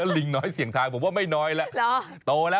ลิงน้อยเสียงทายผมว่าไม่น้อยล่ะ